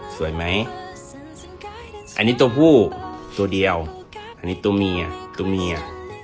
สวยไหมอันนี้ตัวผู้ตัวเดียวอันนี้ตัวเมียตัวเมีย